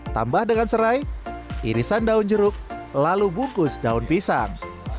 tambah dengan serai irisan daun jeruk lalu bungkus daun pisang